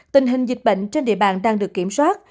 tình hình dịch bệnh trên địa bàn đang được kiểm soát